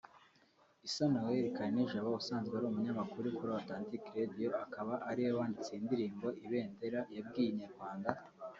Issa Noel Karinijabo usanzwe ari umunyamakuru kuri Authentic Radio akaba ari we wanditse iyi ndirimbo ‘Ibendera’ yabwiye Inyarwanda